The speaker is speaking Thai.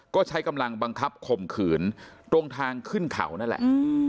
ก็ใช้กำลังบังคับข่มขืนตรงทางขึ้นเขานั่นแหละ